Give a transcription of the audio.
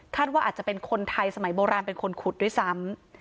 ว่าอาจจะเป็นคนไทยสมัยโบราณเป็นคนขุดด้วยซ้ำ